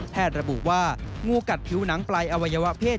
ระบุว่างูกัดผิวหนังปลายอวัยวะเพศ